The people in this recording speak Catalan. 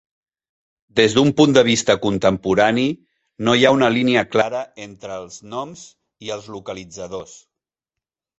Des d'un punt de vist contemporani, no hi ha una línia clara entre els "noms" i els "localitzadors".